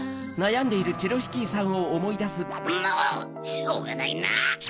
しょうがないな！